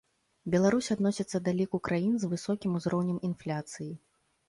Беларусь адносіцца да ліку краін з высокім узроўнем інфляцыі.